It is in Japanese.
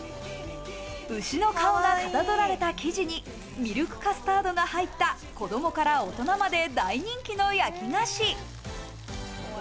牛の顔がかたどられた生地にミルクカスタードが入った、子供から大人まで大人気の焼菓子。